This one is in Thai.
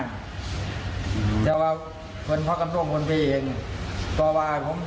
เนี้ยก็ลงไฟการพฤศนียกก็เลยคมครับนะครับ